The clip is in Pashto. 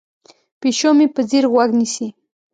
پیشو مې په ځیر غوږ نیسي.